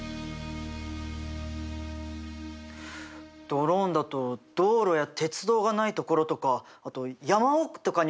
ドローンだと道路や鉄道がないところとかあと山奥とかにもものが運べるんだね。